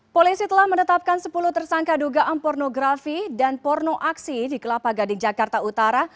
polisi telah menetapkan sepuluh tersangka dugaan pornografi dan porno aksi di kelapa gading jakarta utara